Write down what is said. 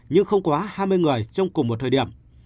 nhưng không quá hai mươi người trong cùng một thời điểm